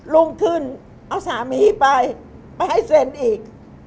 รุ่งขึ้นเอาสามีไปไปให้เซ็นอีก